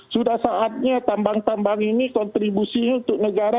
sudah saatnya tambang tambang ini kontribusinya untuk negara